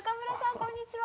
こんにちは。